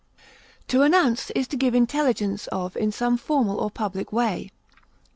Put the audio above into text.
To announce is to give intelligence of in some formal or public way.